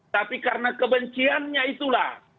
tapi karena kebenciannya itulah